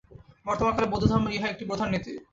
বর্তমানকালে বৌদ্ধধর্মের ইহা একটি প্রধান নীতি।